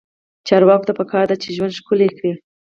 چارواکو ته پکار ده چې، ژوند ښکلی کړي.